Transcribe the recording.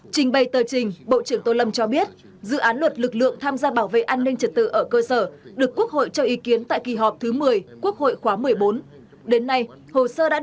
trình bày tờ trình bộ trưởng tô lâm cho biết dự án luật lực lượng tham gia bảo vệ an ninh trật tự ở cơ sở được quốc hội cho ý kiến tại kỳ họp thứ một mươi quốc hội khóa một mươi bốn